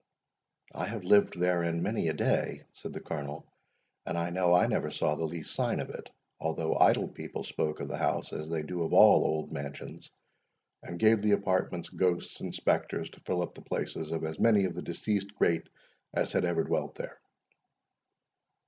"I have lived therein many a day," said the Colonel; "and I know I never saw the least sign of it, although idle people spoke of the house as they do of all old mansions, and gave the apartments ghosts and spectres to fill up the places of as many of the deceased great, as had ever dwelt there."